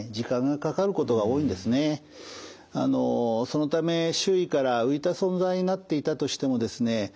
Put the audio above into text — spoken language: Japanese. そのため周囲から浮いた存在になっていたとしてもですね